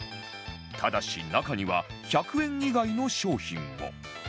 ただし中には１００円以外の商品も